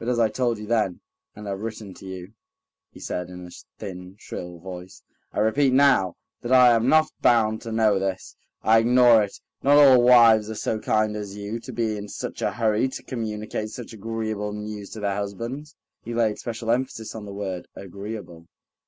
"But as I told you then, and have written to you," he said in a thin, shrill voice, "I repeat now, that I am not bound to know this. I ignore it. Not all wives are so kind as you, to be in such a hurry to communicate such agreeable news to their husbands." He laid special emphasis on the word "agreeable."